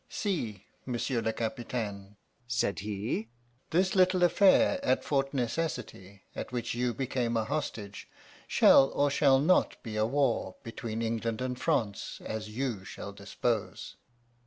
"'See, monsieur le capitaine,' said he, 'this little affair at Fort Necessity, at which you became a hostage, shall or shall not be a war between England and France as you shall dispose.